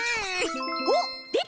おっでた！